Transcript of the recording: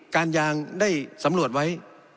การยางได้สำรวจไว้